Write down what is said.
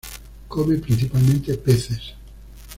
Come principalmente peces.